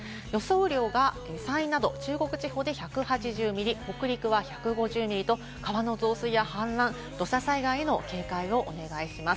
雨量が山陰など中国地方で１８０ミリ、北陸は１５０ミリと川の増水や氾濫、土砂災害への警戒をお願いします。